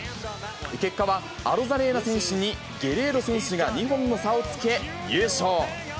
結果はアロザレーナ選手にゲレーロ選手が２本の差をつけ、優勝。